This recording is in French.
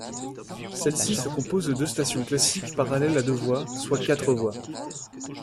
Celle-ci se compose de deux stations classiques parallèles à deux voies, soit quatre voies.